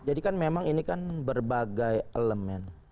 jadi kan memang ini berbagai elemen